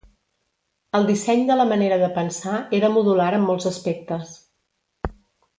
El disseny de la manera de pensar era modular en molts aspectes.